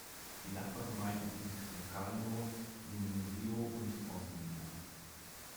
Die Nachbargemeinden sind Locarno, Minusio und Orselina.